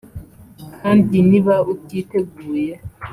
kandi niba utiteguye